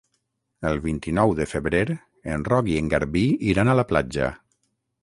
El vint-i-nou de febrer en Roc i en Garbí iran a la platja.